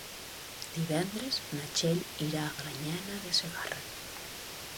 Divendres na Txell irà a Granyena de Segarra.